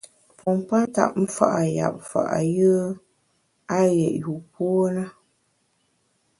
Pompa ntap mfa’ yap fa’ yùe a ghét yûpuo ne.